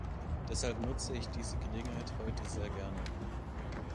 Deshalb nutze ich diese Gelegenheit heute sehr gerne.